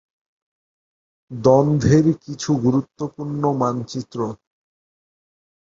দ্বন্দ্বের কিছু গুরুত্বপূর্ণ মানচিত্র-